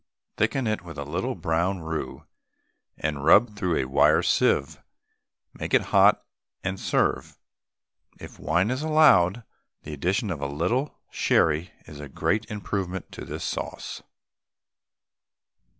Thicken it with a little brown roux, and rub it through a wire sieve, make it hot, and serve. If wine is allowed, the addition of a little sherry is a great improvement to this sauce.